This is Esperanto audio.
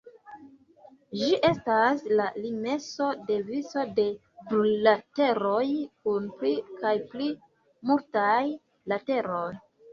Ĝi estas la limeso de vico de plurlateroj kun pli kaj pli multaj lateroj.